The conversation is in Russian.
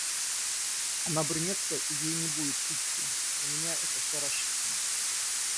Она брюнетка, и ей не будет итти... У меня это всё рассчитано.